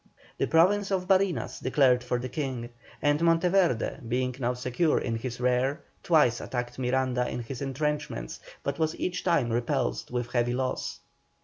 The Province of Barinas declared for the King, and Monteverde, being now secure in his rear, twice attacked Miranda in his entrenchments, but was each time repulsed with heavy loss.